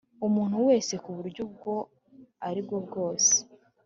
Umuntu wese ku buryo ubwo ari bwo bwose